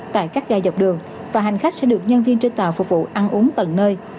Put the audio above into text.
tại các ga dọc đường và hành khách sẽ được nhân viên trên tàu phục vụ ăn uống tận nơi